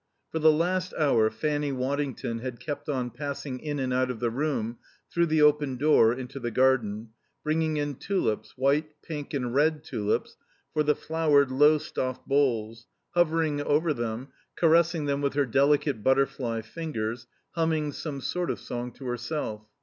For the last hour Fanny Waddington had kept on passing in and out of the room through the open door into the garden, bringing in tulips, white, pink, and red tulips, for the flowered Lowestoft bowls, hovering over them, caressing them with her delicate butterfly fingers, humming some sort of song to herself.